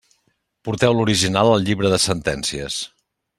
Porteu l'original al llibre de sentències.